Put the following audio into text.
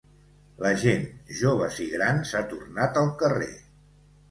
La gent, joves i grans, ha tornat al carrer.